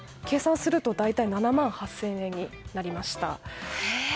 計算すると大体７万８０００円になりました。